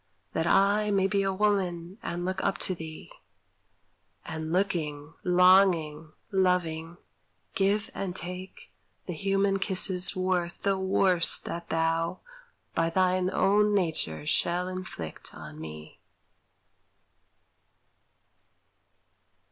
that I May be a woman, and look up to thee; And looking, longing, loving, give and take The human kisses worth the worst that thou By thine own nature shalt inflict on me.